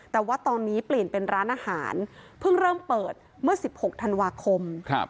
แต่ว่าตอนนี้เปลี่ยนเป็นร้านอาหารเพิ่งเริ่มเปิดเมื่อ๑๖ธันวาคม